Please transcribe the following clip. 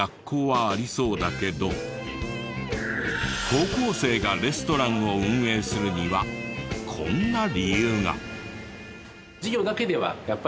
高校生がレストランを運営するのにはこんな理由が。